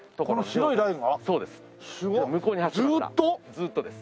ずーっとです。